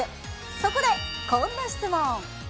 そこでこんな質問。